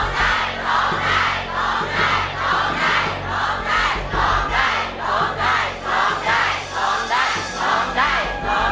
ร้องได้ร้องได้ร้องได้ร้องได้ร้องได้